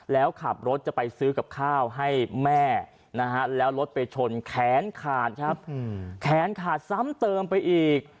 แล้วขับรถจะไปซื้อกับข้าวให้แม่นะฮะแล้วรถไปชนแขนขาดครับแขนขาดซ้ำเติมไปอีก